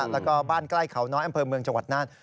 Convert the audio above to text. แล้วก็บ้านใกล้เขาน้อยอำเภอเมืองจังหวัดน่าน